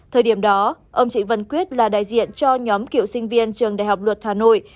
thời điểm đó ông trị văn quyết là đại diện cho nhóm cựu sinh viên trường đại học luật hà nội